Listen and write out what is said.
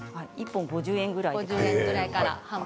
１本５０円ぐらいです。